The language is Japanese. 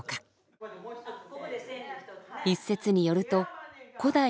一説によると古代